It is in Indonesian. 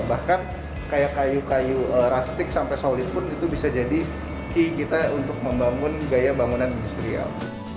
bahkan kayak kayu kayu rustik sampai solid pun itu bisa jadi key kita untuk membangun gaya bangunan industrial